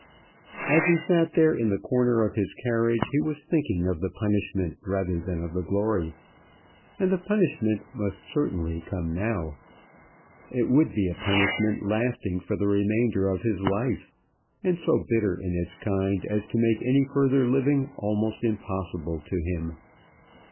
As he sat there in the corner of his carriage, he was thinking of the punishment rather than of the glory. And the punishment must certainly come now. It would be a punishment lasting for the remainder of his life, and so bitter in its kind as to make any further living almost impossible to him.